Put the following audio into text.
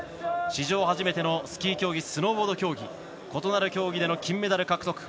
史上初めてのスキー競技、スノーボード競技異なる競技での金メダル獲得。